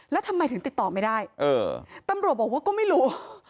แล้วทำไมถึงติดต่อไม่ได้ตำรวจบอกว่าก็ไม่รู้